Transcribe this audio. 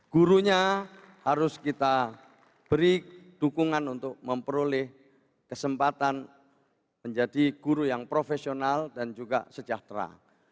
gurunya harus kita beri dukungan untuk memperoleh kesempatan menjadi guru yang profesional dan juga sejahtera